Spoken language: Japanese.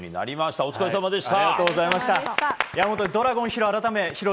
お疲れさまでした。